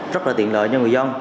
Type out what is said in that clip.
rất tiện lợi cho người dân